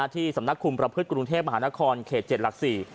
ที่สำนักคุมประพฤติกรุงเทพมหานครเขต๗หลัก๔